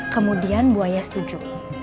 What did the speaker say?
kemudian buaya setuju